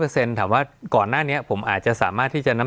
สวัสดีครับทุกผู้ชม